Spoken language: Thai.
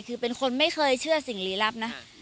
คือเป็นคนไม่เคยเชื่อสิ่งลีลับนะ